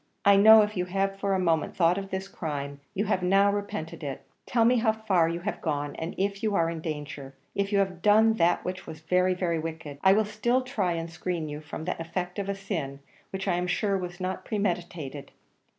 I know, if you have for a moment thought of this crime, you have now repented it: tell me how far you have gone, and if you are in danger; if you have done that which was very, very wicked. I will still try and screen you from the effects of a sin, which I am sure was not premeditated.